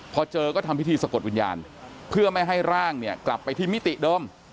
พอเจอก็ทำพิธีสะกดวิญญาณเพื่อไม่ให้ร่างเนี่ยกลับไปที่มิติเดิม